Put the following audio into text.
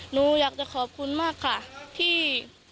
หนูอยากจะขอบคุณมากค่ะที่